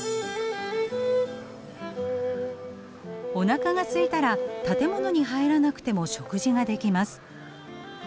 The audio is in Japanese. おなかがすいたら建物に入らなくても食事ができます。